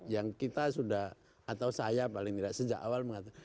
yang kita sudah atau saya paling tidak sejak awal mengatakan